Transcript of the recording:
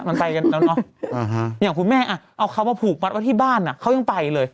มันไปกันแล้วเนอะอย่างคุณแม่อ่ะเอาเขามาผูกมัดไว้ที่บ้านเขายังไปเลย